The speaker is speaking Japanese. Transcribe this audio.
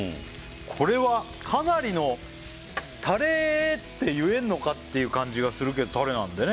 これはかなりのタレって言えんのかっていう感じがするけどタレなんだよね